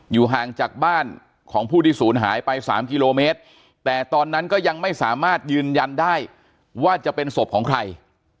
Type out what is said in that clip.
ห่างจากบ้านของผู้ที่ศูนย์หายไป๓กิโลเมตรแต่ตอนนั้นก็ยังไม่สามารถยืนยันได้ว่าจะเป็นศพของใคร